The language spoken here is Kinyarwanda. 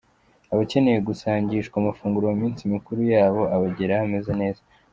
Abakeneye gusangishwa amafunguro mu minsi mikuru yabo abageraho ameze neza.